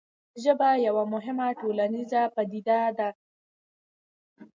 ژبه یوه مهمه ټولنیزه پدیده ده.